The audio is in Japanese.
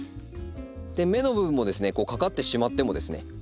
芽の部分もですねかかってしまってもですね